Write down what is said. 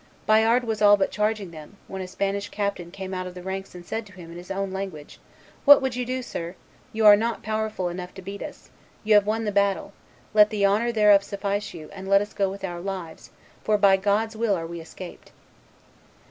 Bayard was all but charging them, when a Spanish captain came out of the ranks and said to him, in his own language, "What would you do, sir? You are not powerful enough to beat us; you have won the battle; let the honor thereof suffice you, and let us go with our lives, for by God's will are we escaped."